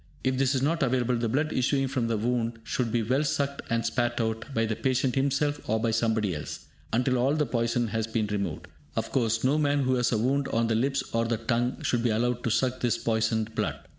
If this is not available, the blood issuing from the wound should be well sucked and spat out, by the patient himself or by somebody else, until all the poison has been removed. Of course, no man who has a wound on the lips or the tongue should be allowed to suck this poisoned blood.